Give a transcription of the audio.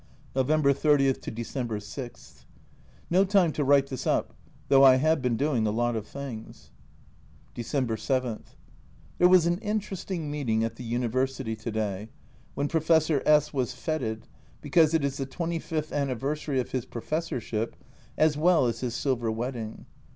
November 30 to December 6. No time to write this up, though I have been doing a lot of things. December 7 There was an interesting meeting at the University to day, when Professor S was feted, because it is the 25th anniversary of his pro fessorship, as well as his silver wedding.